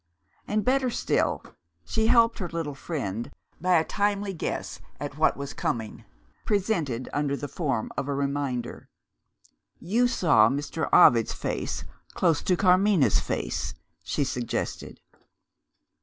And better still, she helped her little friend by a timely guess at what was coming, presented under the form of a reminder. "You saw Mr. Ovid's face close to Carmina's face," she suggested.